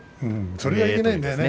それがいけないんだよね